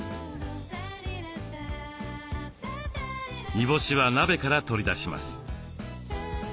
煮干しは鍋から取り出します。